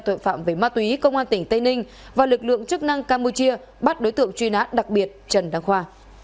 tội phạm về ma túy công an tỉnh tây ninh và lực lượng chức năng campuchia bắt đối tượng truy nã đặc biệt trần đăng khoa